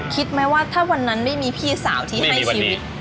คิดไหมว่าถ้าวันนั้นไม่มีพี่สาวที่ให้ชีวิต